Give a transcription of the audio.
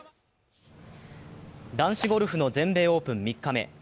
男子ゴルフの全米オープン３日目。